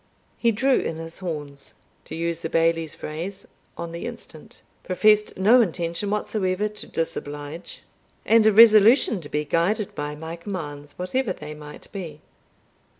He "drew in his horns," to use the Bailie's phrase, on the instant, professed no intention whatever to disoblige, and a resolution to be guided by my commands, whatever they might be.